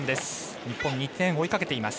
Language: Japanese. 日本、２点追いかけています。